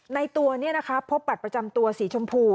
ในตัวนี้นะคะพบบัตรประจำตัวสีชมพู